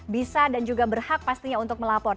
bisa dan juga berhak pastinya untuk melapor